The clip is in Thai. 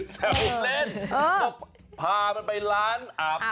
แซวเล่นพามันไปร้านอาบ